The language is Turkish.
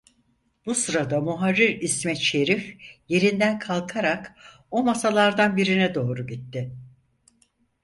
Bu sırada muharrir İsmet Şerif yerinden kalkarak o masalardan birine doğru gitti.